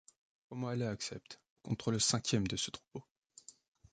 O'Malley accepte, contre le cinquième de ce troupeau.